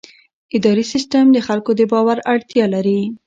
اداري سیستم د خلکو د باور اړتیا لري.